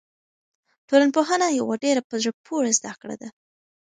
ټولنپوهنه یوه ډېره په زړه پورې زده کړه ده.